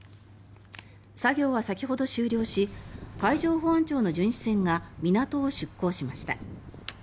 作業は先ほど終了し海上保安庁の巡視船が港を出港しました。